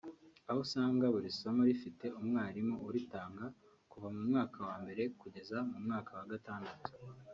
aho usanga buri somo rifite umwarimu uritanga kuva mu mwaka wa mbere kugera mu mwaka wa gatandatu